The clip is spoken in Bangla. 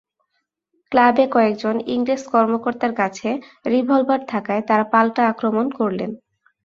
ক্লাবে কয়েকজন ইংরেজ কর্মকর্তার কাছে রিভলবার থাকায় তাঁরা পাল্টা আক্রমণ করলেন।